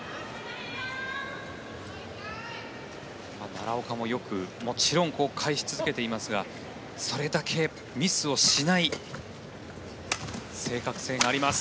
奈良岡もよくもちろん返し続けていますがそれだけミスをしない正確性があります。